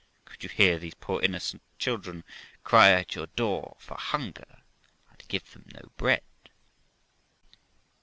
Could you hear these poor innocent children cry at your door for hunger, and give them no bread?'